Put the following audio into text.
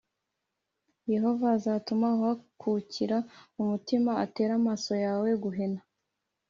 Yehova azatuma uhakukira umutima, atere amaso yawe guhena,